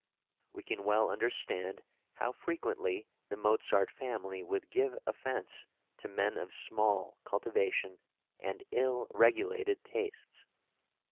We can well understand how frequently the Mozart family would give offence to men of small cultivation and ill regulated tastes.